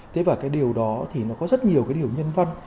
thế và cái điều đó thì nó có rất nhiều cái điều nhân văn